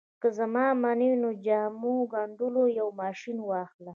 که زما منې نو د جامو ګنډلو یو ماشين واخله